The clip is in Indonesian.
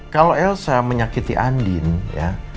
kalau elsa menyakiti andin ya